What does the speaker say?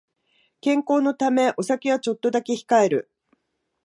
健康のためお酒はちょっとだけ控える